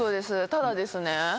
ただですね